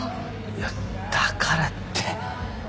いやだからって。